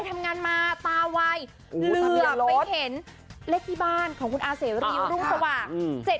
ทำงานมาตาวัยเหลือไปเห็นเลขที่บ้านของคุณอาเสรีรุ่งสว่าง